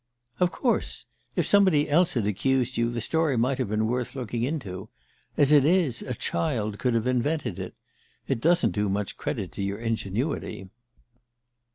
"Of course! If somebody else had accused you, the story might have been worth looking into. As it is, a child could have invented it. It doesn't do much credit to your ingenuity."